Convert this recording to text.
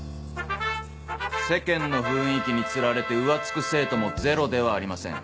世間の雰囲気に釣られて浮つく生徒もゼロではありません。